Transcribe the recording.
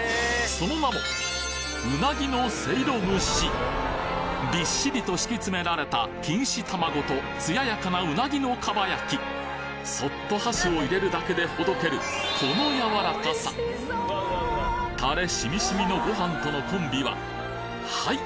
その名もびっしりと敷き詰められた錦糸卵と艶やかなうなぎの蒲焼きそっと箸を入れるだけでほどけるこのやわらかさタレしみしみのご飯とのコンビははい！